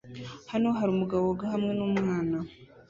Hano hari umugabo woga hamwe numwana